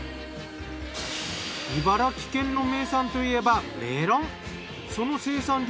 茨城県の名産といえばメロン。